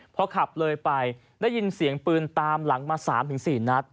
พอขับเลยไปได้ยินเสียงปืนตามหลังมา๓๔นัด